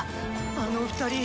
あの２人。